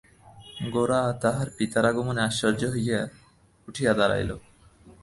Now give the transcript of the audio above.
গোরা তাহার পিতার আগমনে আশ্চর্য হইয়া উঠিয়া দাঁড়াইল।